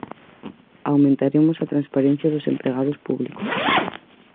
Aumentaremos a transparencia dos empregados públicos.